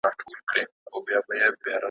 تر څو به جهاني لیکې ویده قام ته نظمونه `